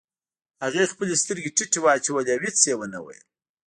هغې خپلې سترګې ټيټې واچولې او هېڅ يې ونه ويل.